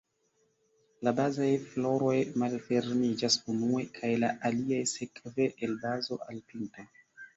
La bazaj floroj malfermiĝas unue, kaj la aliaj sekve, el bazo al pinto.